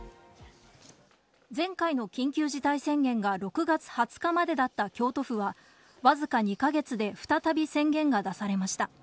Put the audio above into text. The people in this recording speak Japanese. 前回の緊急事態宣言が６月２０日までだった京都府はわずか２か月で再び宣言が出されました。